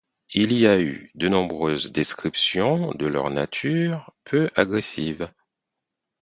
Il y a eu de nombreuses descriptions de leur nature peu agressive.